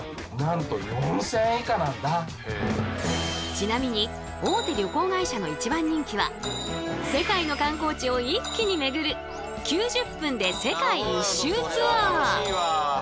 ちなみに大手旅行会社の一番人気は世界の観光地を一気に巡る９０分で世界一周ツアー。